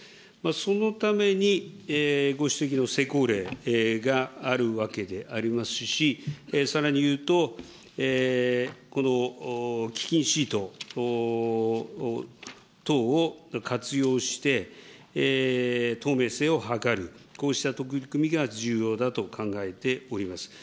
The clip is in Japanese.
そのためにご指摘の施行令があるわけでありますし、さらにいうと、この基金シート等を活用して、透明性を図る、こうした取り組みが重要だと考えております。